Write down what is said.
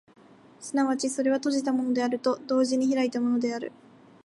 即ちそれは閉じたものであると同時に開いたものである。